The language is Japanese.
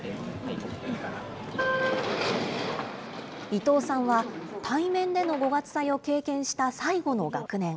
伊東さんは、対面での五月祭を経験した最後の学年。